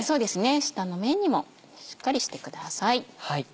下の面にもしっかりしてください。